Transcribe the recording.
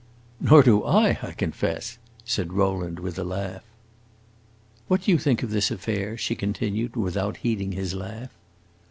"Nor do I, I confess," said Rowland with a laugh. "What do you think of this affair?" she continued, without heeding his laugh.